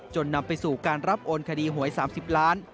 นำไปสู่การรับโอนคดีหวย๓๐ล้าน